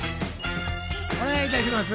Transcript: お願いいたします。